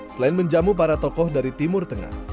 selain menjamu para tokoh dari timur tengah